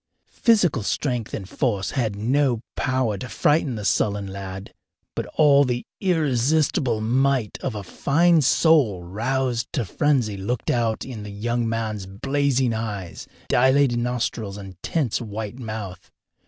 Physical strength and force had no power to frighten the sullen lad, but all the irresistible might of a fine soul roused to frenzy looked out in the young man's blazing eyes, dilated nostrils, and tense white mouth.